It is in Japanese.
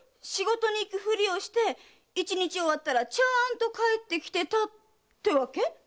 仕事に行く振りをして一日が終わったらちゃんと帰ってきてたってわけ？